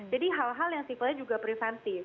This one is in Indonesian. jadi hal hal yang sifatnya juga preventif